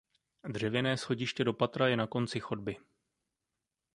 Dřevěné schodiště do patra je na konci chodby.